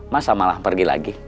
masa malah pergi lagi